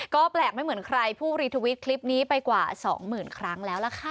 ก็แปลกไม่เหมือนใครผู้รีทวิตคลิปนี้ไปกว่าสองหมื่นครั้งแล้วล่ะค่ะ